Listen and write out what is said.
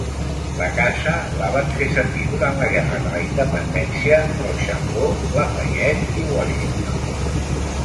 La casa la van fer servir durant la Guerra de la Independència Rochambeau, Lafayette i Washington.